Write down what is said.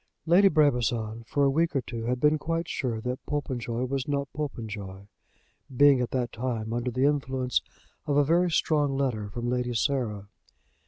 Lady Brabazon for a week or two had been quite sure that Popenjoy was not Popenjoy, being at that time under the influence of a very strong letter from Lady Sarah.